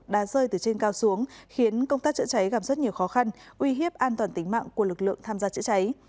đá rơi từ trên cao xuống khiến công tác chữa cháy gặp rất nhiều khó khăn uy hiếp an toàn tính mạng của lực lượng tham gia chữa cháy